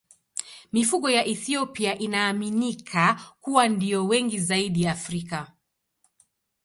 Mifugo ya Ethiopia inaaminika kuwa ndiyo wengi zaidi Afrika.